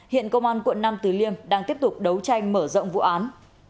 hiện công an quận năm tứ liêm đang tiếp tục đấu tranh mở rộng vụ án